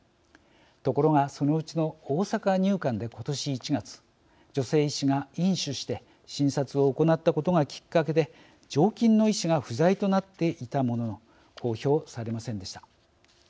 ところが、そのうちの大阪入管で今年１月女性医師が飲酒して診療を行ったことがきっかけで常勤の医師が不在となっていたものの公表されませんでした。